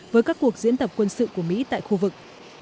với các cuộc diễn tập quân sự của mỹ tại khu vực